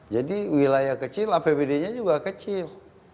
jadi wilayah kecil apbd nya juga kecil